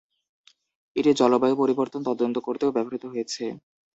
এটি জলবায়ু পরিবর্তন তদন্ত করতেও ব্যবহৃত হয়েছে।